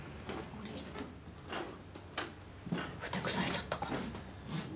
ふてくされちゃったかな？